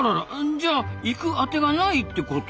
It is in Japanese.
じゃあ行く当てがないってこと？